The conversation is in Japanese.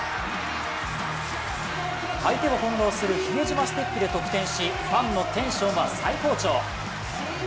相手を翻弄する比江島ステップで得点し、ファンのテンションは最高潮。